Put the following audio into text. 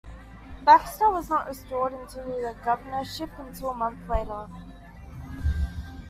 Baxter was not restored to the governorship until a month later.